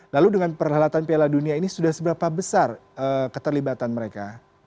lalu dengan perhelatan piala dunia ini sudah seberapa besar keterlibatan mereka